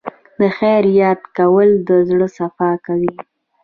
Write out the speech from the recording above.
د خیر یاد کول د زړه صفا کوي.